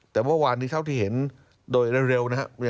แต่เมื่อวานนี้เท่าที่เห็นโดยเร็วนะครับ